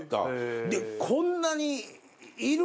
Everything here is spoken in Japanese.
でこんなにいる？